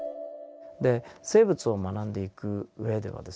で生物を学んでいく上ではですね